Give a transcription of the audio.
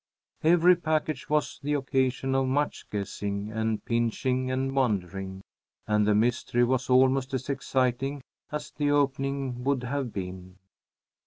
Every package was the occasion of much guessing and pinching and wondering, and the mystery was almost as exciting as the opening would have been.